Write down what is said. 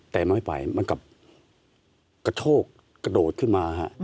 แต่มันไม่ไปมันกลับกระโทกกระโดดขึ้นมาฮะ